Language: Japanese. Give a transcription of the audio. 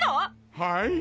はい。